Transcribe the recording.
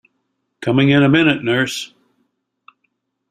Coming in a minute, nurse!